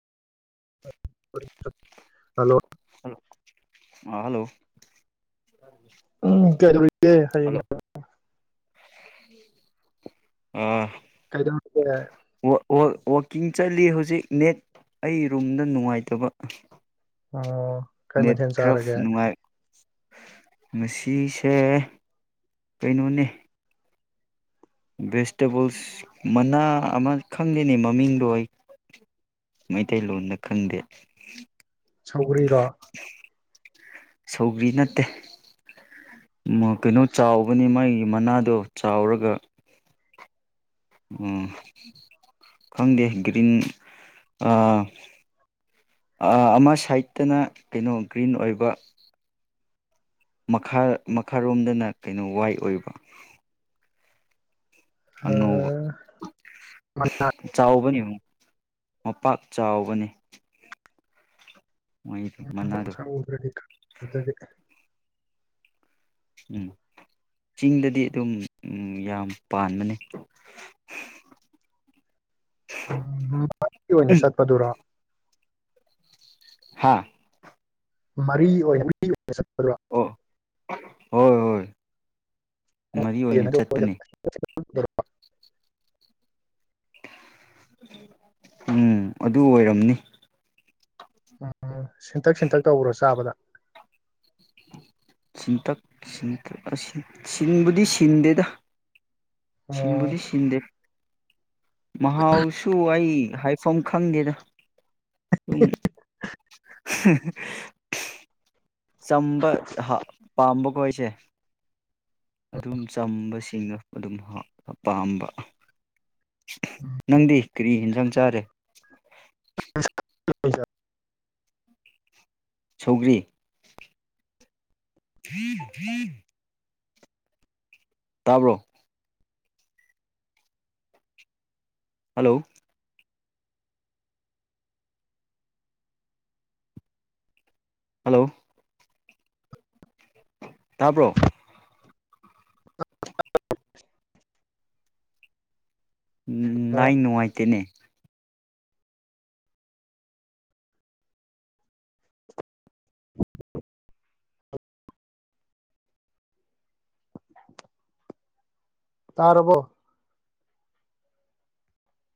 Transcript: hello hello ꯑ hello ꯎꯝ ꯀꯔꯤꯒꯦ ꯍꯌꯦꯡ ꯑ ꯀꯩꯗꯔꯒ ꯋꯀꯤꯡ ꯆꯠꯂꯤ ꯍꯧꯖꯤꯛ ꯅꯦꯠ ꯑꯩ ꯔꯨꯝꯗ ꯅꯨꯡꯉꯥꯏꯇꯕ ꯑꯣ ꯀꯩ ꯃꯊꯦꯜ ꯆꯥꯔꯒꯦ ꯉꯁꯦ ꯀꯩꯅꯣꯅꯦ ꯚꯦꯖꯤꯇꯦꯕꯜꯁ ꯃꯅꯥ ꯑꯃ ꯈꯪꯗꯦꯅꯦ ꯃꯃꯤꯡꯗꯣ ꯑꯩ ꯃꯩꯇꯩꯂꯣꯟꯗ ꯈꯪꯗꯦ ꯁꯧꯒꯔꯤꯔꯣ ꯁꯧꯒ꯭ꯔꯤ ꯅꯠꯇꯦ ꯀꯩꯅꯣ ꯆꯥꯎꯕꯅꯤ ꯃꯥꯒꯤ ꯃꯅꯥꯗꯣ ꯆꯥꯎꯔꯒ ꯈꯪꯗꯦ ꯒ꯭ꯔꯤꯟ ꯑꯃ ꯁꯥꯏꯠꯇꯅ ꯀꯩꯅꯣ ꯒ꯭ꯔꯤꯟ ꯑꯣꯏꯕ ꯃꯈꯥ ꯃꯈꯥꯔꯣꯝꯗꯅ ꯀꯩꯅꯣ ꯋꯥꯏ ꯑꯣꯏꯕ ꯑꯉꯧꯕ ꯆꯥꯎꯕꯅꯤꯨ ꯃꯄꯥꯛ ꯆꯥꯎꯕꯅꯤ ꯎ ꯎꯎꯗ꯭ꯔꯗꯤ ꯀꯗꯗꯤ ꯎꯝ ꯆꯤꯡꯗꯗꯤ ꯑꯗꯨꯝ ꯎꯝ ꯌꯥꯝ ꯄꯥꯟꯕꯅꯦ ꯎ ꯑꯣꯏꯅ ꯆꯠꯄꯗꯨꯔꯥ ꯍꯥꯥ ꯃꯔꯤ ꯑꯣꯏ [unintelligible] ꯑꯣ ꯍꯣꯏ ꯍꯣꯏ ꯃꯔꯤ ꯑꯣꯏꯅ ꯆꯠꯄꯅꯦ [unintelligible] [unintelligible] ꯎꯝ ꯑꯗꯨ ꯑꯣꯏꯔꯝꯅꯤ ꯑ ꯁꯤꯟꯇꯛ ꯁꯤꯟꯇꯛ ꯇꯧꯕ꯭ꯔꯣ ꯆꯥꯕꯗ ꯁꯤꯇꯛ ꯁꯤꯟꯕꯨꯗꯤ ꯁꯤꯟꯗꯦꯗ ꯁꯟꯕꯗꯤ ꯁꯟꯗꯦꯕ ꯃꯍꯥꯎꯁꯨ ꯑꯩ ꯍꯥꯏ ꯁꯝ ꯈꯪꯗꯦꯗ ꯁꯝ ꯆꯝꯕ ꯄꯥꯝꯕꯈꯣꯣꯏꯁꯦ ꯑꯗꯨꯝ ꯆꯝꯕꯁꯤ ꯆꯤꯡꯅ ꯑꯗꯨꯝ ꯄꯥꯝꯕ ꯅꯪꯗꯤ ꯀꯔꯤ ꯌꯦꯟꯖꯥꯡ ꯆꯥꯔꯦ ꯑꯣ ꯁꯧꯒꯔꯤ ꯐ ꯐꯝ ꯇꯥꯕ꯭ꯔꯣ ꯍꯜꯂꯣ ꯍꯜꯂꯣ ꯇꯄ꯭ꯔꯣ [unintelligible] ꯎꯝ ꯂꯥꯏ ꯅꯨꯡꯉꯥꯏꯇꯦꯅꯦ ꯇꯥꯔꯕꯨꯣ